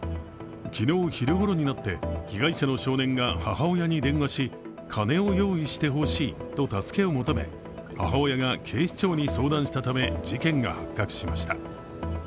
昨日昼ごろになって被害者の少年が母親に電話し金を用意してほしいと助けを求め母親が警視庁に相談したため、事件が発覚しました。